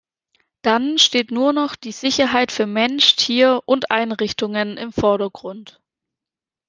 Dann steht nur noch die Sicherheit für Mensch, Tier und Einrichtungen im Vordergrund.